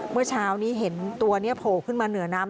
เมื่อเช้านี้เห็นตัวนี้โผล่ขึ้นมาเหนือน้ำ